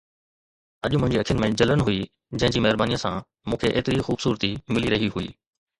اڄ منهنجي اکين ۾ جلن هئي، جنهن جي مهربانيءَ سان مون کي ايتري خوبصورتي ملي رهي هئي